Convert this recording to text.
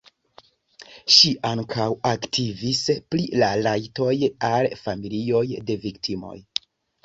Ŝi ankaŭ aktivis pri la rajtoj al familioj de viktimoj.